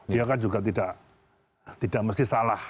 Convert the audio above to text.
dia kan juga tidak mesti salah